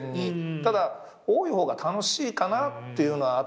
ただ多い方が楽しいかなっていうのはあったけど。